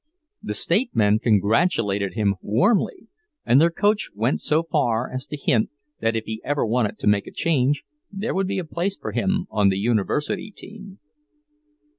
The State men congratulated him warmly, and their coach went so far as to hint that if he ever wanted to make a change, there would be a place for him on the University team.